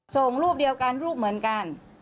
ส่งรูปเดียวกันรูปเหมือนกัน